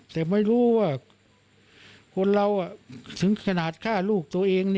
แต่ไม่รู้ว่าคนเราถึงขนาดฆ่าลูกตัวเอง